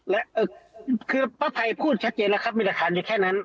และคือป้าภัยพูดชัดเจนแล้วครับมีหลักฐานอยู่แค่นั้น